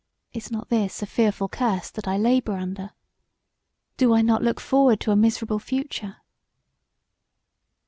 Is not this a fearful curse that I labour under? Do I not look forward to a miserable future?